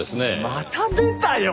また出たよ！